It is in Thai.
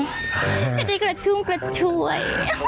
จะได้กระชุ่มกระชวย